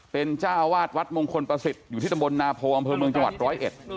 เป็นจ้าวาดวัดมงคลประสิทธิ์อยู่ที่ตำบลนาโพอำเภอเมืองจังหวัดร้อยเอ็ด